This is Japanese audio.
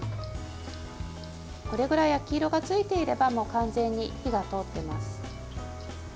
これぐらい焼き色がついていれば完全に火が通っています。